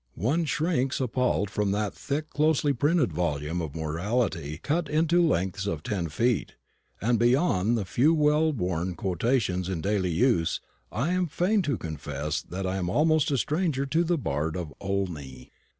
One shrinks appalled from that thick closely printed volume of morality cut into lengths of ten feet; and beyond the few well worn quotations in daily use, I am fain to confess that I am almost a stranger to the bard of Olney.